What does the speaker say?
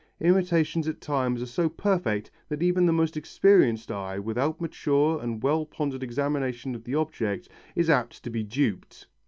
Imitations at times are so perfect that even the most experienced eye, without mature and well pondered examination of the object, is apt to be duped.